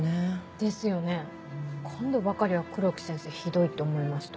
ですよね今度ばかりは黒木先生ひどいって思いました。